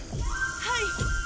はい！